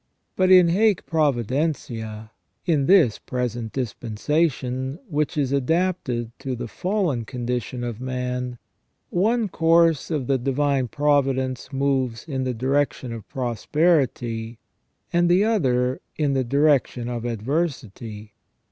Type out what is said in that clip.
But, in hac providentia, in this present dispen sation, which is adapted to the fallen condition of man, one course of the divine providence moves in the direction of prosperity, and the other in the direction of adversity.